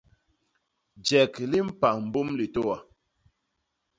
Jek li mpa mbôm litôa.